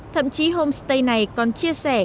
thậm chí homestay này còn chia sẻ